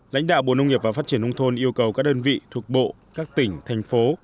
lãnh đạo bộ nông nghiệp và phát triển nông thôn yêu cầu các đơn vị thuộc bộ các tỉnh thành phố